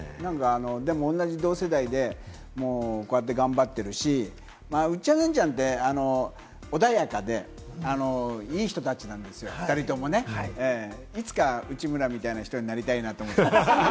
でも同じ同世代でこうやって頑張ってるし、ウッチャンナンチャンって、穏やかでいい人たちなんですよ、２人ともね。いつか内村みたいな人になりたいなと思ってます。